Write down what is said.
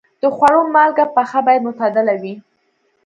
د خوړو مالګه پخه باید معتدله وي.